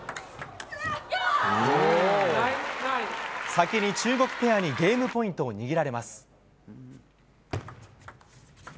先に中国ペアにゲームポイントを握られます。